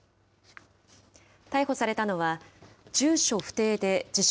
逮捕されたのは、住所不定で自称